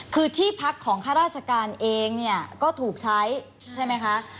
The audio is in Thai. คือที่พักของข้าราชการเองเนี่ยก็ถูกใช้ใช่ไหมคะ